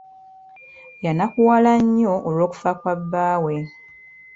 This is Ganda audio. Yannakuwala nnyo olw'okufa kwa bbaawe.